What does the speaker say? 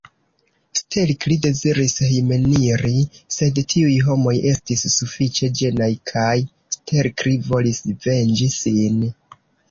Stelkri deziris hejmeniri, sed tiuj homoj estis sufiĉe ĝenaj kaj Stelkri volis venĝi sin.